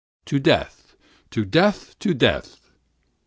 To death! to death! to death!